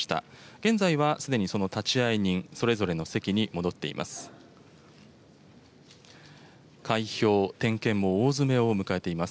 現在はすでにその立会人、それぞれの席に戻っています。